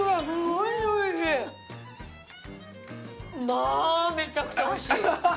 まあめちゃくちゃおいしい！